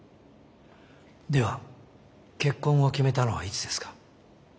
では結婚を決めたのはいつですか？